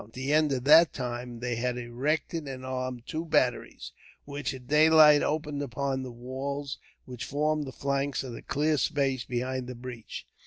At the end of that time, they had erected and armed two batteries, which at daylight opened upon the walls which formed the flanks of the clear space behind the breach.